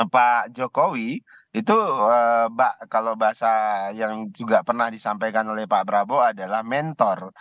pak jokowi itu kalau bahasa yang juga pernah disampaikan oleh pak prabowo adalah mentor